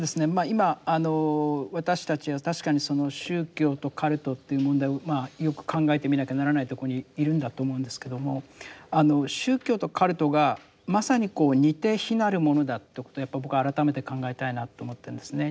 今あの私たちは確かに宗教とカルトという問題をよく考えてみなきゃならないとこにいるんだと思うんですけども宗教とカルトがまさにこう似て非なるものだってことやっぱ僕改めて考えたいなと思ってるんですね。